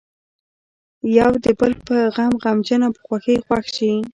یو د بل په غم غمجن او په خوښۍ یې خوښ شي.